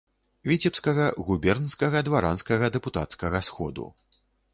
Віцебскага губернскага дваранскага дэпутацкага сходу.